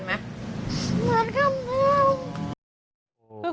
เหมือนครั้งเดียว